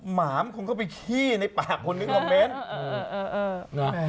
หมามคงเข้าไปขี้ในปากคนหนึ่งกับเม้นแหมอุจาระ